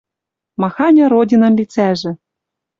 Маханьы родинын лицӓжӹ